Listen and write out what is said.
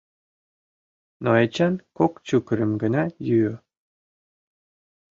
Но Эчан кок чукырым гына йӱӧ.